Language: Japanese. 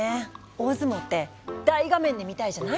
大相撲って大画面で見たいじゃない？